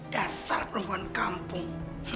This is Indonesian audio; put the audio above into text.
dasar perempuan kampung